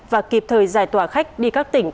và kịp thời giải tỏa khách đi các tỉnh